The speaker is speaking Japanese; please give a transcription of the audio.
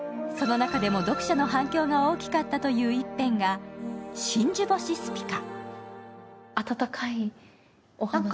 その中でも読者の反響が大きかったという一編が「真珠星スピカ」。